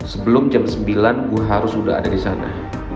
sebelum jam sembilan gue harus udah ada disana